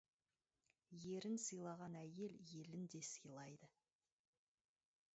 Ерін сыйлаған әйел елін де сыйлайды.